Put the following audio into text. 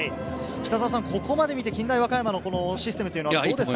ここまで見て近大和歌山のシステムというのはどうですか？